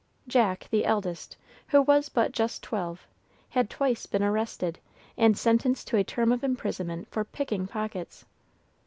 Jack, the eldest, who was but just twelve, had twice been arrested, and sentenced to a term of imprisonment for picking pockets.